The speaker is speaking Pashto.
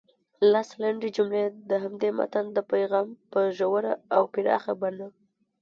سل لنډې جملې د همدې متن د پیغام په ژوره او پراخه بڼه